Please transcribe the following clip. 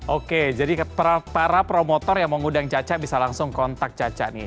oke jadi para promotor yang mau ngundang caca bisa langsung kontak caca nih